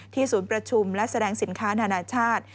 ศูนย์ประชุมและแสดงสินค้านานาชาติ